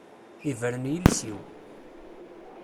Ibren yiles-iw.